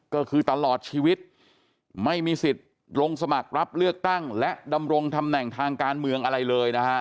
ก็คือตลอดชีวิตไม่มีสิทธิ์ลงสมัครรับเลือกตั้งและดำรงตำแหน่งทางการเมืองอะไรเลยนะฮะ